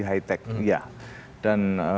high tech ya dan